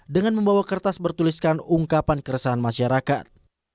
dengan membawa kertas bertuliskan ungkapan keresahan masyarakat